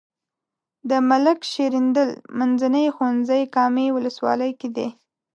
د ملک شیریندل منځنی ښوونځی کامې ولسوالۍ کې دی.